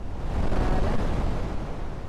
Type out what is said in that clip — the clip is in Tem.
Baala.